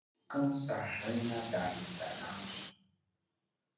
Kasa hlena da le ta na ame.